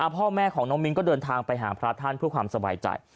พ่อแม่ของน้องมิ้นก็เดินทางไปหาพระท่านเพื่อความสบายใจ